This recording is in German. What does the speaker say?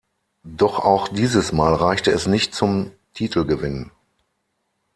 Doch auch dieses Mal reichte es nicht zum Titelgewinn.